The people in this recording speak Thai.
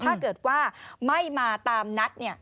ถ้าเกิดว่าไม่มาตามนัด